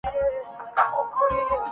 میں اپنے بزرگوں سے مشورہ کرتا ہوں۔